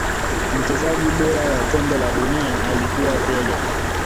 Mchezaji bora wa kombe la dunia alikuwa pele